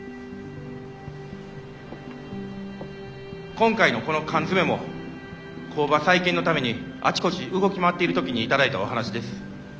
今回のこの缶詰も工場再建のためにあちこち動き回っている時に頂いたお話です。